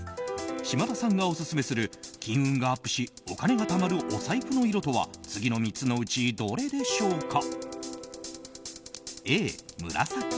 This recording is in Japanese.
島田さんがオススメする金運がアップしお金がたまるお財布の色とは次の３つのうちどれでしょうか。